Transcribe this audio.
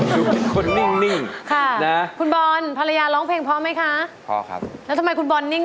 เชียร์ในใจ